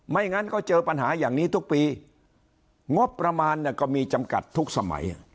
งั้นก็เจอปัญหาอย่างนี้ทุกปีงบประมาณเนี่ยก็มีจำกัดทุกสมัย